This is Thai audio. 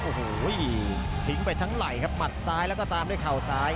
โอ้โหทิ้งไปทั้งไหล่ครับหมัดซ้ายแล้วก็ตามด้วยเข่าซ้าย